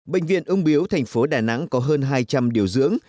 bệnh viện úng biếu tp đà nẵng có hơn hai trăm linh điều dưỡng